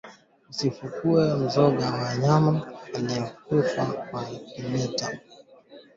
Usifunue mzoga wa mnyama aliekufa kwa kimeta